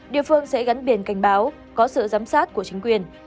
địa phương sẽ gắn biển cảnh báo có sự giám sát của chính quyền